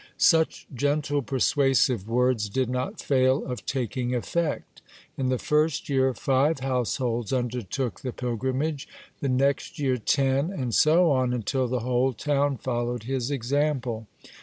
Such gentle, persuasive words did not fail of taking effect. In the first year five households undertook the pilgrimage, the next year ten, and so on until the whole town followed his example.